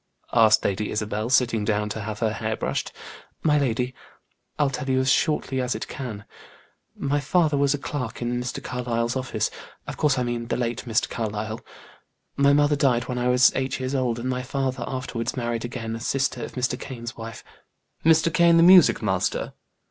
asked Lady Isabel, sitting down to have her hair brushed. "My lady, I'll tell you as shortly as it can. My father was a clerk in Mr. Carlyle's office of course I mean the late Mr. Carlyle. My mother died when I was eight years old, and my father afterwards married again, a sister of Mr. Kane's wife " "Mr. Kane, the music master?"